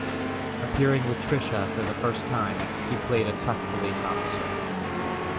Appearing with Trisha for the first time, he played a tough police officer.